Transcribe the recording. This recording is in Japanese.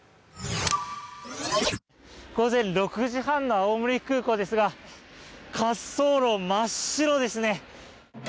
午前６時半の青森空港ですが滑走路、真っ白ですね。